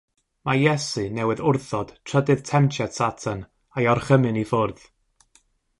Mae Iesu newydd wrthod trydydd Temtiad Satan a'i orchymyn i ffwrdd.